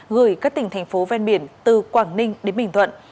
gửi các tỉnh thành phố ven biển từ quảng ninh đến bình thuận